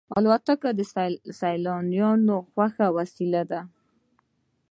الوتکه د سیلانیانو خوښه وسیله ده.